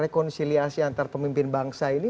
rekonsiliasi antar pemimpin bangsa ini